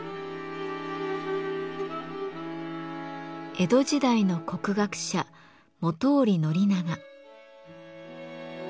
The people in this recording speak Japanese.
江戸時代の国学者本居宣長。